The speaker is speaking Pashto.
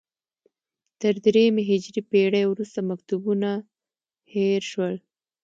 تر درېیمې هجري پېړۍ وروسته مکتبونه هېر شول